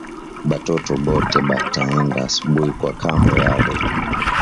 Batoto bote ba taenda asubui kwa kambo yabo